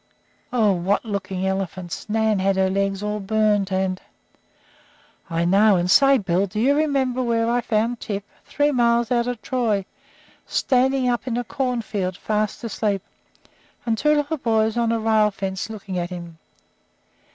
Oh, what looking elephants! Nan had her legs all burned, and " "I know, and say, Bill, do you remember where I found Tip? Three miles out of Troy, standing up in a corn field sound asleep, and two little boys on a rail fence looking at him.